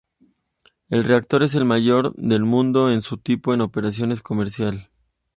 El reactor es el mayor del mundo en su tipo en operación comercial.